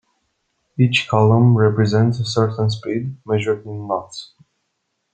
Each column represents a certain speed, measured in knots.